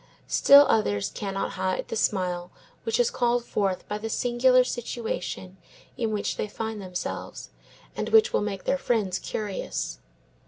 Still others cannot hide the smile which is called forth by the singular situation in which they find themselves, and which will make their friends curious.